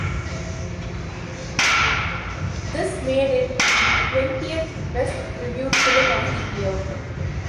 This made it the twentieth best reviewed film of the year.